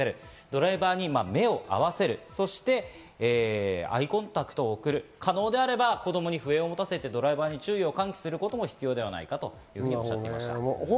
そして、アイコンタクトを送る、可能であれば子供に笛を持たせてドライバーに注意を喚起することも必要なのではないかとおっしゃっていました。